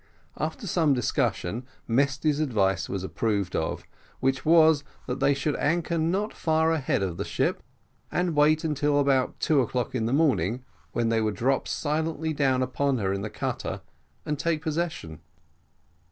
After some discussion, Mesty's advice was approved of; which was, that they should anchor not far ahead of the ship, and wait till about two o'clock in the morning, when they would drop silently down upon her in the cutter, and take possession.